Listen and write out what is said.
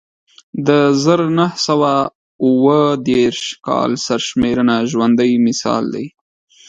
د زر نه سوه اووه دېرش کال سرشمېرنه ژوندی مثال دی